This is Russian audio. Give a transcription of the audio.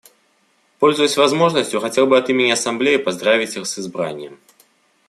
Пользуясь возможностью, хотел бы от имени Ассамблеи поздравить их с избранием.